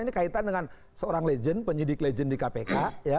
ini kaitan dengan seorang legend penyidik legend di kpk